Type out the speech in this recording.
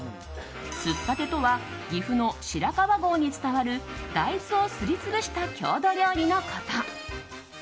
すったてとは岐阜の白川郷に伝わる大豆をすり潰した郷土料理のこと。